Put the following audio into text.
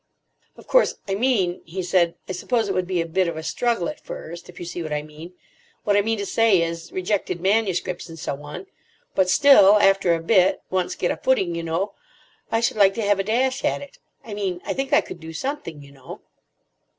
"Of course, I mean," he said, "I suppose it would be a bit of a struggle at first, if you see what I mean. What I mean to say is, rejected manuscripts, and so on. But still, after a bit, once get a footing, you know—I should like to have a dash at it. I mean, I think I could do something, you know."